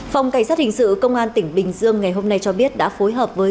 phòng cảnh sát hình sự công an tỉnh bình dương ngày hôm nay cho biết đã phối hợp với